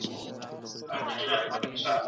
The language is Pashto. افغان ښځي د ډیرو بهرنیو سفارتونو خدمتونه نه لري.